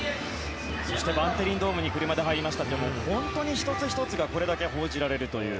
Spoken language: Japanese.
そしてバンテリンドームに車で入りましたと本当に１つ１つがこれだけ報じられるという。